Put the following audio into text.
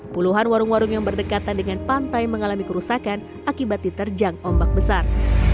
puluhan warung warung yang berdekatan dengan pantai mengalami kerusakan akibat diterjang ombak besar